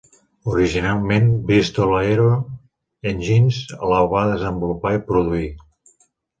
Originalment, Bristol Aero Engines el va desenvolupar i produir.